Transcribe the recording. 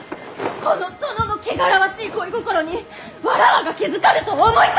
この殿の汚らわしい恋心に妾が気付かぬとお思いか！